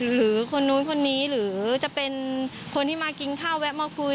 หรือคนนู้นคนนี้หรือจะเป็นคนที่มากินข้าวแวะมาคุย